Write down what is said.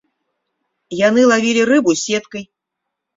Яны лавілі рыбу сеткай.